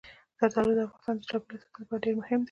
زردالو د افغانستان د چاپیریال ساتنې لپاره ډېر مهم دي.